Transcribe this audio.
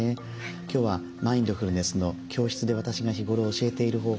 今日はマインドフルネスの教室で私が日頃教えている方法